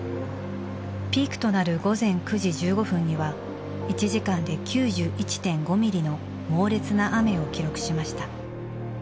ピークとなる午前９時１５分には１時間で９１．５ミリの猛烈な雨を記録しました。